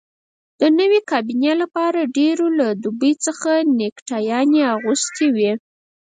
د نوې کابینې لپاره ډېرو له دوبۍ څخه نیکټایي راغوښتي وې.